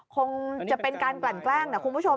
คงจะเป็นการกลั่นแกล้งนะคุณผู้ชม